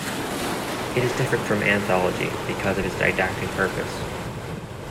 It is different from an anthology because of its didactic purpose.